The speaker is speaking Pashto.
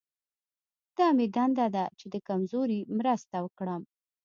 دا مې دنده ده چې د کمزوري مرسته وکړم.